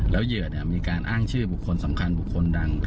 แล้วเหยื่อมีการอ้างชื่อบุคคลสำคัญบุคคลดัง